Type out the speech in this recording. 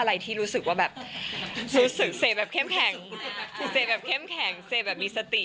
อะไรที่รู้สึกว่าแบบรู้สึกเซแบบเข้มแข็งเสแบบเข้มแข็งเซแบบมีสติ